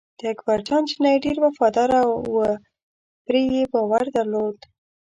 د اکبر جان چینی ډېر وفاداره و پرې یې باور درلود.